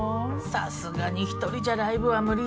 さすがに１人じゃライブは無理よね。